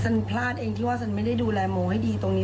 พลาดเองที่ว่าฉันไม่ได้ดูแลโมให้ดีตรงนี้